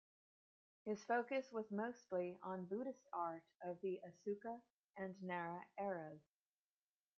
His focus was mostly on Buddhist art of the Asuka and Nara eras.